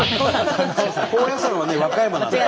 高野山はね和歌山なんだよ。